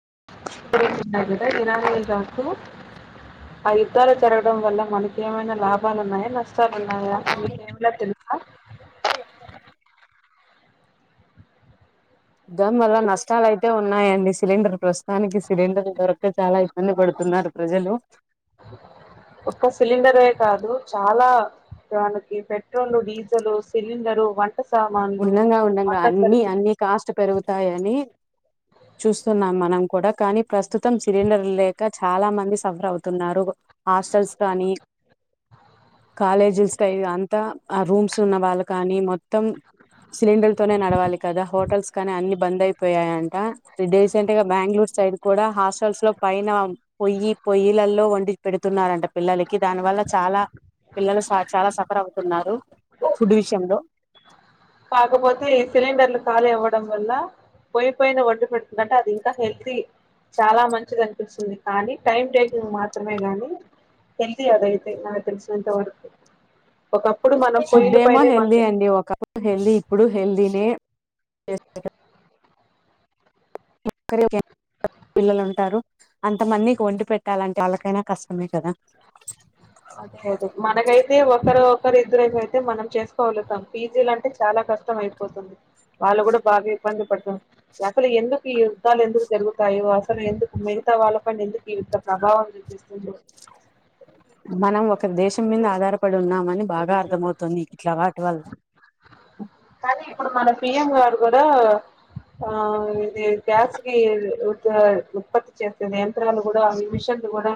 [unintelligible] తిన్న కదా తినలే [unintelligible] ఆ యుద్ధాలు జరగడం వల్ల మనకి ఏమైనా లాభాలు ఉన్నాయా నష్టాలున్నాయా మీకేమైనా తెలుసా దాన్ వల్ల నష్టాలు అయితే ఉన్నాయండి సిలిండర్ ప్రస్తుతానికి సిలిండర్ లు దొరక్క చాలా ఇబ్బంది పడుతు న్నారు ప్రజలు ఒక్క సిలిండరే కాదు చాలా మనకి పెట్రోల్ డీజల్ సిలిండరు వంట్ ఉండంగా ఉండంగా అన్ని అన్నీ కాస్ట్ పెరుగుతాయని చూస్తున్నాం మనం కూడా కానీ ప్రస్తుతం సిలిండర్లు లేక చాలా మంది సఫర్ అవుతున్నారు హాస్టల్స్ గానీ కాలేజీ స్ కై అంతా ఆ రూమ్స్ ఉన్న వాళ్ళు కానీ మొత్తం సిలిండర్ తోనే నడవాలి కదా హోటల్స్ కానీ అన్ని బంద్ అయిపోయాయంట రీసెంట్ గా బ్యాంగ్ క్యూ సైడ్ కూడా హాస్టల్స్ లో పైన పొయ్యి పొయ్యిల్లలో వండి పెడుతున్నారంట పిల్లలకి దాన్ దాని వల్ల చాలా పిల్లలు చాలా సఫర్ అవుతున్నారు ఫుడ్ విషయంలో కాకపోతే ఈ సిలిండర్లు ఖాళీ అవ్వడం వల్ల పోయిపోయిన వడ్డు పెడుతుందంటే అది ఇంకా హెల్తీ చాలా మంచిది అనిపిస్తుంది కానీ టైమ్ టేకింగ్ మాత్రమే గాని హెల్దిీ అదయితే నాకు తెలుసినంత వరకు ఒకప్పుడు మనం ఫుడ్ పొయ్యిల ఏమో పైనే హెల్దీ వండే అండి ఒకప్పుడు హెల్దీ ఇప్పుడు హెల్దీనే ఏ ఇక్కరే కెన్ పిల్లలు ఉంటారు అంతమంది వండి పెట్టాలంటే వాళ్ళకైనా కష్టమే కదా అదే అదే మనకైతే ఒకరు ఒకరు ఇద్దరైమ్ అయితే మనం చేసుకోగలుగుతాం పీజీలు అంటే చాలా కష్టం అయిపోతుంది వాళ్ళు కూడా బాగా ఇబ్బంది పడుతురు అసలు ఎందుకు ఈ యుద్ధాలు ఎందుకు జరుగుతాయి అసలు ఎందుకు వాళ్ళకం ఎందుకు ఇంత ప్రభావం చూపిస్తన్ మనం ఒక ఇక్కడ దేశం మీద ఆధారపడి ఉన్నామని బాగా అర్థమవుతుంది ఇట్లా వాటి వల్ల కానీ ఇప్పుడు మన పి ఎమ్ గారు కూడా ఆ ఇది గ్యాస్ కి ఉత్ ఉత్పత్తి చేసే నియంత్రాలు కూడా ఈ మిషన్ అందు కూడా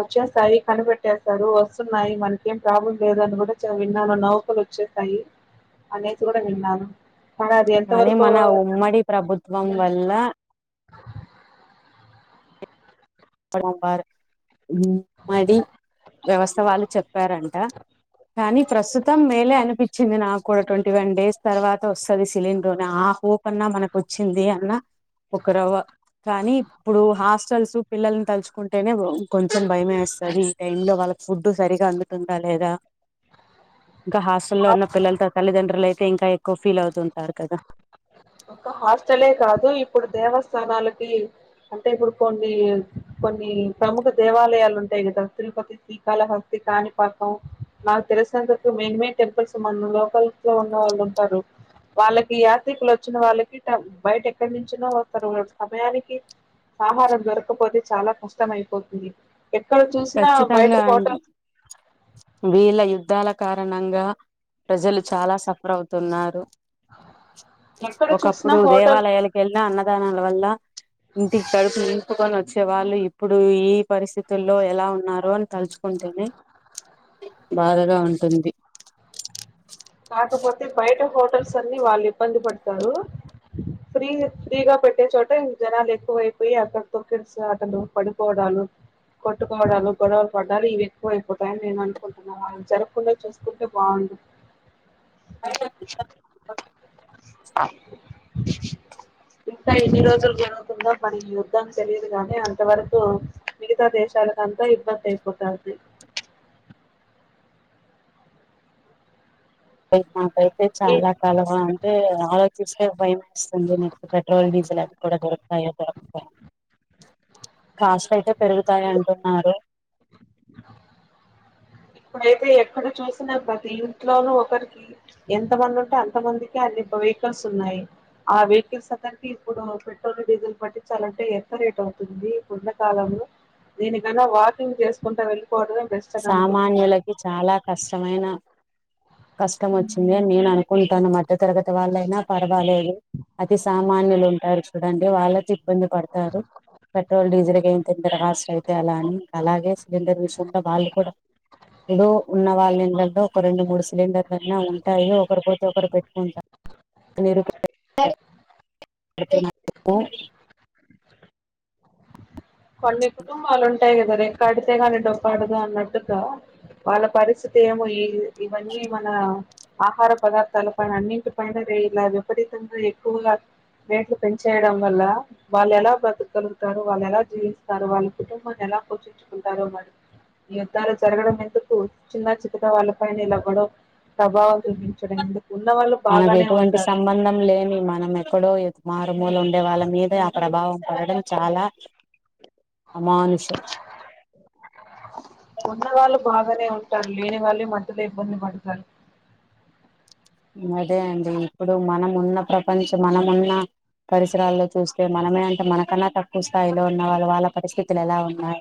వచ్చేస్తాయి కనిపెట్టేస్తారు వస్తున్నాయి మనకేం ప్రాబ్లం లేదని కూడా విన్నాను నౌకలు వచ్ చ్చేస్తాయి అనేసి కూడా విన్నాను కానీ అది ఎంత అనీ వరకు మన ఉమ్మడి ప్రభుత్వం వల్ల డం వారు మ్మ్ మరి వ్యవస్థ వాళ్ళు చెప్ చెప్పారంట కానీ ప్రస్తుతం మేలే అనిపిచ్చింది నాక్కూడా తొంటి వన్ డేస్ తర్వాత వస్ తను సిలిండర్ అని ఆ హోప్ అన్నా మనకు వచ్చింది అన్నా ఒక రవ్వ కానీ ఇప్పుడు హాస్ పిల్లల్ని తలుచుకుంటేనే కొంచెం భయమే వేస్తుంది ఈ టైమ్ లో వాళ్ళకి ఫుడ్ సరిగా అందుతుందా లేదా [inaudible] ఇంకా హాస్టల్లో ఆ ఉన్న పిల్లలతో తల్లిదండ్రులు అయితే ఇంకా ఎక్కువ ఫీల్ అవుతుంటారు కదా ఒ హాస్టలే కాదు ఇప్పుడు దేవస్థానాలకి అంటే ఇప్పుడు కొన్ని కొన్ని ప్రముఖ దేవాలయాలు ఉంటాయి కదా తిరుపతి శ్రీకాళహస్తి కాానీ పతం మాకు తెలిసినంతకు మేమే టెంపుల్స్ మన్న లోకల్ లో ఉన్న వాళ్ళు ఉంటారు వాళ్ళకి యాత్రికులు వచ్చిన వాళ్ళకి బయట ఎక్కడి నుంచిన వస్తారు వా సమయానికి ఆహారం దొరకపోతే చాలా కష్టంమయిపోతుంది ఖచ్చితంగా అండి వీళ్ళ యుద్ధాల కారణంగా ప్రజలు చాలా అవుతున్నారు ఎక్కడ చూసినా ఒకప్పుడు హోటల్ దేవాలయాలకి వెళ్ళినా అన్నదానం వల్ ఇంటికి కడుపు నింపుకని వచ్చే వాళ్ళు ఇప్పుడు ఈ పరిస్థితు లో ఎలా ఉన్నారు అని తలుచుకుంటేనే బాధగా ఉంటుంది కాకపోతే బయట హోటల్స్ అన్ని వాళ్ళు ఇబ్బంది పడతారు ఫ్రీ ఫ్రీగా పెట్టే చోట జనాలు ఎక్కువైపోయి అక్కడతో కడిసి ఆటలు పడికోవడాలు కొట్టుకోబవడాలు గొడవలు పడడా ఇవి ఎక్కువ అయిపోతాయిని నేను అనుకుంటున్నానుు జరుగకుండా చూసుకుంటే బాగు అ బై ఇంకా ఎన్ని రోజులు ఉంటుందో మనకి యుద్ధం తెలియదుగానే అంతవరకు మిగతా దేశాలకుంతా ఇబ్బంది అయిపోతారు [inaudible] నాకైతే మీ చాలా కాలవ అంటే ఆలోచిస్తే భయం వస్తుంది నక్ పెట్రోల్ డీజిల్ అవి కూడా [inaudible] [inaudible] కాస్ట్ అయితే పెరుగుతాయి అంటున్నారు ఇప్పుడైతే ఎక్కడ చూసినా ప్రతి ఇంట్లోనూ ఒకరికి ఎంత మంది ఉంటే అంత మందికి అన్ని వెహికల్స్ ఉన్నాయి ఆ వెహికల్స్ అందరికి ఇప్పుడు పెట్రోల్ డీజిల్ పట్టించాలంటే ఎంత రేట్ ఉ ఎండకాలంలో దేనికన్నా వాకింగ్ చేసుకుంటా వెళ్ళిపోవడమే బెస్ట్ అని అనుకుంటు నాన్యులకి చాలా కష్టమైన [inaudible] కష్టం వచ్చింది అని నేను అనుకుంటాను మధ్యతరగతి వాళ్ళయినా పర్వాలేదు అతి సామాన్యులు ఉంటారు చూడండి వాళ్ళ ఇబ్బంది పడతారు పెట్రోల్ డీజిల్ కే ఇంత ఇంత కాస్ట్ అయితే అలా అని అలాగే సిలిండర్ విషయంలో వాళ్ళు ఇప్పుడు ఉన్న వాళ్ళ ఇళ్లో ఒక రెండు మూడు సిలిండర్ల అన్న ఉ ా ఒకరి పోతే ఒకరు పెట్టుకుంటానీరు పేద అ కొన్ని కుటుంబాలు ఉంటాయి కదా రెక్కడితే గానీ డొక్కడదు అన్నట్టుగా వాళ్ళ పరిస్థితి ఏమో ఇవన్నీ మన ఆహార పదార్థాల పైన అన్నింటి పైన ఎప్పటి తంగా ఎక్కువగా రేట్లు పెంచేయడం వల్ల వాళ్ళు ఎలా బ్రతకగలుగుతారు వాళ్ళు ఎలా జీవిస్తారు వాళ్ళ కుటుంబాన్ని ఎలా పోచించుకుంటారో మరి ఈ యుద్ధాలు జరగడం ఎందుకు చిన్న చిక్కట వాళ్ళ పైనలవ్వడం ప్రభావం చూించడంంది మనకు ఎటువంటి సంబంధం లేని మనం ఎక్కడో ఎ మారుమూల ఉండే వాళ్ళ మీద ఆ ప్రభావం పడడం చాలా అమానుషం ఉన్న వాళ్ళు బాగానే ఉంటాారు లేని వాళ్ళే మధ్యలో ఇబ్బంది పడతారు అదే అండి ఇప్పుడు మనం ఉన్న ప్రపంచం మనము ఉన్న పరిసరాల్లో చూస్తే మనమే అంటే మనకన్నా తక్కువ స్థాయిలో ఉన్న వాళ్ళు వాళ్ళ పరిస్థితులు ఎలా ఉన్నాయి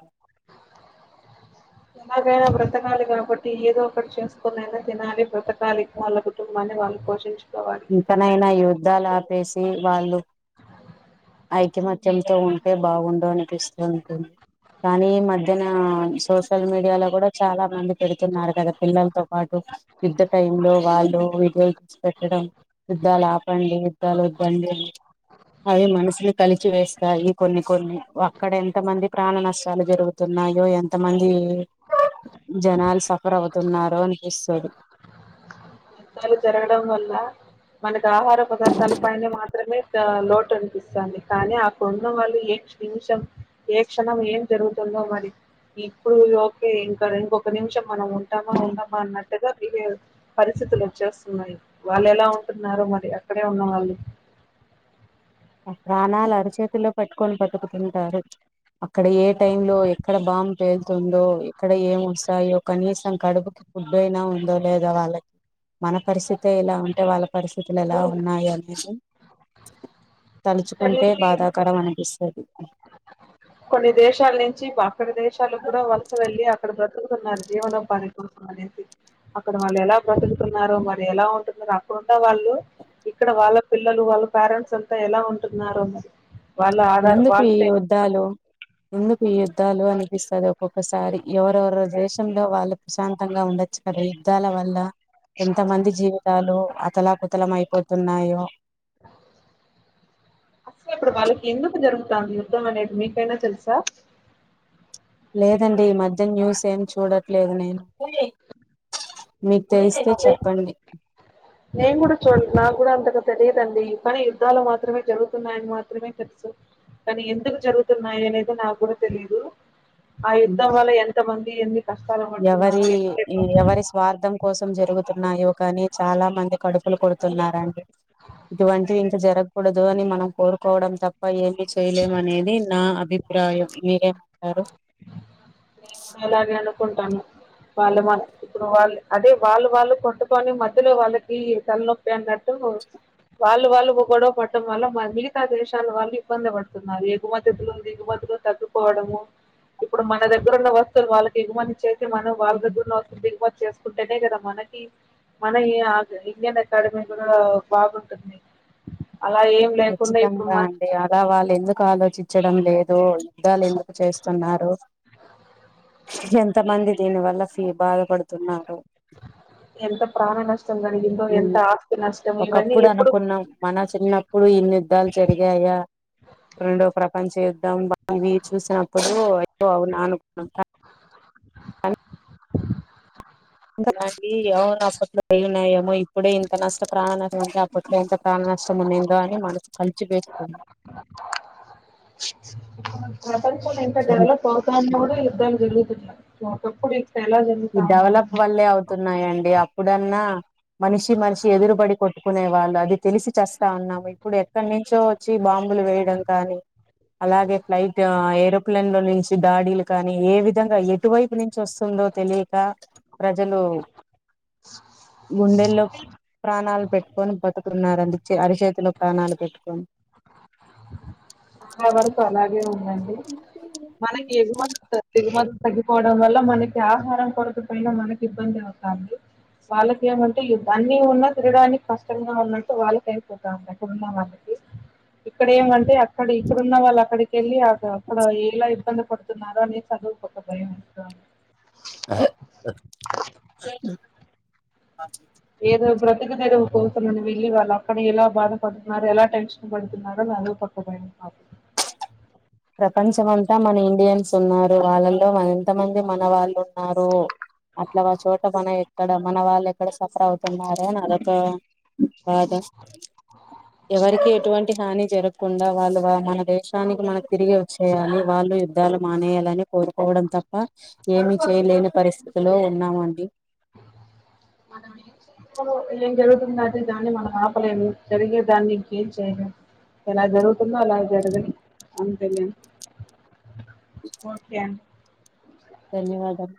ఎలాగైనా బ్రతకాలి కాబట్టి ఏదో ఒకటి చేసుకునైనా తినాలి బ్రతకాలి వాళ్ళ కుటుంబాన్ని వాళ్ళు పోషించ్ ఇంకనైనా ఈ యుద్ధాలు ఆపేసి వాళ్ళు ఐకమత్యంతో ఉంటే బాగుండు అనిపిస్తుంది కానీ ఈ మధ్యనా సోషల్ మీడియాలో కూడా చాలా మంది పెడుతున్నారు కదా పిల్లలతో పాటు యుద్ధ టై లో వాళ్ళు వీడియోస్ పెట్టడం యుద్ధాలు ఆపండి యుద్ధాలు వొద్దండి అవి మనసుని కలిచి వేస్తాయి కొన్ని కొన్ని అక్కడ ఎంత మంది ప్రాణ నష్టాలు జరుగుతుంది ఉన్నాయో ఎంతమంది జనాలు సఫర్ అవుతున్నారో అనిపిస్తుంది యుద్ధాలు జరగడం వల్ల మనకి ఆహార పదార్థాల పైన మాత్రమే ఆ లోటు అనిపిస్తంది కానీ అక్కడున్న వాళ్ళు ఏ నిమిషం ఏ క్షణం ఏం జరుగుతుందో మరి ఇప్పుడు ఓకే ఇంకా ఇంకొక నిమిషం మనం ఉంటామా ఉండమా అన్నట్టుగా బిహేవ్ పరి పరిస్థితులు వచ్చేస్తున్నాయి వాళ్ళు ఎలా ఉంటున్నారో మరి అక్కడే ఉన్నవాళ్ళు ప్రాణాలు అరి చేతిల్లో పట్టుకొని బతుకుతుంటారు అక్కడ ఏ టై లో ఎక్కడ బాంబ్ పేల్తుందో ఎక్కడ ఏం వస్తాయో కనీసం కడుపుకి ఫుడ్ డు అయినా ఉందో లేదా వాళ్ళకి మన పరిస్థితే ఇలా ఉంటే వాళ్ళ పరిస్థితులు ఎలా ఉన్నాయి అనేది ఇక్కడి తలుచుకుంటే నుంచి బాధాకరం అనిపిస్తది కొన్ని దేశాల నుంచి అ అక్కడి దేశాలకు కూడా వలస వెళ్ళలి అక్కడ బ్రతుకుతున్నారు జీవనోపాధి కోసం అనేసి అక్కడ వాళ్ళు ఎలా బ్రతులుతున్నారో మరి ఎలా ఉంటున్నారు అక్కడున్న వాళ్ళు ఇక్కడ వాళ్ళ పిల్లలు వాళ్ళ పేరెంట్స్ అంతా ఎలా ఉంటున్నారో వాళ్ళ ఆధార్ ఎందుకు వాళ్ళ ఈ యుద్ధాలు ఎందుకు ఈ యుద్ధాలు అనిపిస్తది ఒక్కొక్కసారి ఎవరెవరో జెస్ తుమ్లో వాళ్ళు ప్రశాంతంగా ఉండొచ్చు కదా యుద్ధాల వల్ల ఎంతమంది జీవితాలు అతలాకుతలం అయిపోతున్నాయో అసలేపుడ్ ఎందుకు జరుగుతాంది యుద్ధం అనేది మీకైనా తెలుసా లేదండి ఈ మధ్య న్యూస్ ఏం చూడట్లేదు నేను మీకు తెలిస్తే అదే చెప్పండి నేను కూడా చూడ్ నాకు కూడా అంతకు తెలియదండి కానీ యుద్ధాలు మాత్రమే జరుగుతున్నాయని మాత్రమే తెలుసు కానీ ఎందుకు జరుగుతున్నాయి అనేది నాకు కూడా తెలీదు ఆ ఉమ్, యుద్ధం వల్ల ఎంత మంది ఎందుకు ఎవరి ఎవరి స్వార్థం కోసం జరుగుతున్నాయో కానీ చాలా మంది కడుపులు కొడుతున్నారండి ఇటువంటివి ఇంకా జరగకూడదు అని మనం కోరుకోవడం తప్ప ఏమి చేయలేమ అనేది నా అభిప్రా ప్రాయం మీరేమంటారు నేను అలాగే అనుకుంటాన్న వాళ్ళ మ ఇప్పుడు వాళ్ళు అదే వాళ్ళు వాళ్ళు కొట్టుకొని మధ్యలో వాళ్ళకి తలనొప్పి అన్నట్టు [inaudible] వాళ్ళు వాళ్ళు గొడవ పడటడం వల్ల మిగతా దేశాలు వాళ్ళు ఇబ్బంది పడుతున్నారు ఎగు మద్ద్యతులు దిగుమద్ద్యత్ ఇలో తగ్గపోవడము ఇప్పుడు మన దగ్గర దగ్గరున్న వస్తు వాళ్ళకి ఎగుమతి చేస్త మనం వాళ్ళ దగ్గరలో వస్తు దిగుమత్ చేసుకుంటేనే కదా మనకి మన ఇండియన్ అకాడమీ కూడా బాగుంటుంది అలా ఏం లేకుండా ఇప్పుడు ఖచ్చితంగా మన అండి అలా వాళ్ళు ఎందుకు ఆలోచించడం లేదు యుద్ధాలు ఎందుకు చేస్తున్నారో ఎంత మంది దీని వల్ల బాధపడుతున్నారో ఎంత ప్రాణ నష్టం ఎంత ఆస్తు ఒకప్పుడు అనుకున్నాం మన చిన్నప్పుడు ఈ యుద్ధాలు జరిగాయా రెండో ప్రపంచ యుద్ధం ఇవి చూసినప్పుడు అయ్యో అవు అనుకు ఇంత అండి అవును పట్ల అయి ఉన్నాయ ఏమో ఇప్పుడే ఇంత నష్ట ప్రాణ నష్టం ఉంటే అప్పట్లో ఇంత ప్రాణ నష్టం ఉండందో అని మనకు కలిచిపేసుంది [inaudible] ప్రపంచం ఇంకా డెవలప్ అవుతాం కూడా ఇద్దం జరుగుతుంది ఒకప్పుడు ఇప్పుడు ఎలా ఈ జరుగుతా ఉన్నాయి డెవలప్ వల్లే అవుతున్నాయంండి అప్పుడన్నా మనిషి మనిషి ఎదురుబడి కొట్టుకునే వాళ్ళు అది తెలిసి చస్తా ఉన్నాము ఇప్పుడు ఎక్కడి నుంచో వచ్చి బాంబులు వేయడం కానీ అలాగే ఫ్లైట్ ఏరోప్లేన్ లో నుంచి దాడీలు కానీ ఏ విధంగా ఎటువైపు నుంచి వస్తుందో తెలియక ప్రజలు గుండెల్లో ప్రాణాలు పెట్టుకొని బ్రతుకున్నడి అరిచతిలో ప్రాణాలు పెట్టుకొని చాల వరకు అలాగే ఉందండి మనకి ఎగుమతి డిగుమతి తగ్గిపోవడం వల్ల మనకి ఆహారం కొరత పైన మనకి ఇబ్బంది అవుతంది వాళ్ళకి ఏమంటే యుద్ధ అన్ని ఉన్నా క్రీడానికి కష్టంగా ఉన్నట్టు వాళ్ళకి అయిపోతా ఉంది అక్కడున్న వాళ్ళకి ఇక్కడ ఏమంటే అక్కడ ఇక్కడున్న వాళ్ళు అక్కడికిళ్ళి అ అక్కడ ఎలా ఇబ్బంది కొడుతున్నారుర అని చదువు ప భయం అ [unintelligible] ఏదో బ్రతిక తెరువు కోసమని వెళ్ళి వాళ్ళు అక్కడ ఎలా బాధపడుతున్నారు ఎలా టెన్షన్ పడుతున్నారుారో అ పక్క ప ప్రపంచమ అంతా మన ఇండియన్స్ ఉన్నారు వాళ్ళలో ఎంత మంది మన వాళ్ళు ఉన్నారు అట్లా వా చోట మన ఎక్కడ మన వాళ్ళు ఎక్కడ సఫర్ అవుతున్నారుారని అదొక బాదు ఎవరికి ఎటువంటి హాని జరుకు కుండా వాళ్ళు మన దేశానికి మనకి తిరిగి వచ్చేయాలి వాళ్ళు యుద్ధాలు మానేయాలని కోరుకోవడం తప్ప ఏమి చేయలేని పరిస్థితిలో ఉన్నామండి [inaudible] మనంంప్పుడు ఏం జరుగుతుంద అంటే దాన్ని మనం ఆపలేం జరిగే దాన్ని ఇంకేం చేయలేదు ఎలా జరుగుతుందో అలా జరగని అని తెలియదు ఓకేండి ధన్యవాదాలు